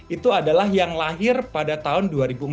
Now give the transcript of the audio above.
itu adalah yang lahir pada tahun dua ribu empat belas